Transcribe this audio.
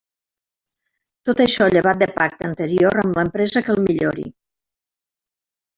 Tot això llevat de pacte anterior amb l'empresa que el millori.